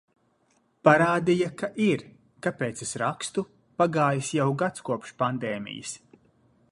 Parādīja, ka ir! Kāpēc es rakstu? Pagājis jau gads kopš pandēmijas.